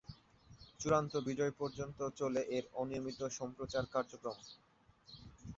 চূড়ান্ত বিজয় পর্যন্ত চলে এর অনিয়মিত সম্প্রচার কার্যক্রম।